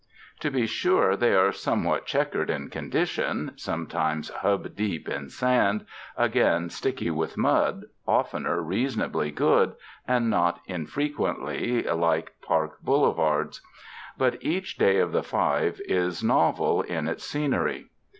To be sure, they are somewhat chequered in condition — sometimes hub deep in sand, again sticky with mud, oftener reasonably good, and not infrequently like park boulevards ; but each day of the five is novel in its scenery.